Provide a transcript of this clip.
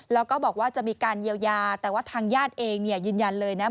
แล้วก็บอกว่าจะมีการเยียวยาแต่ว่าทางญาติเองเนี่ยยืนยันเลยนะ